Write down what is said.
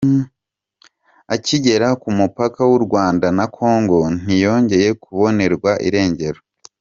Akigera ku mupaka w’u Rwanda na Kongo, ntiyongeye kubonerwa irengero.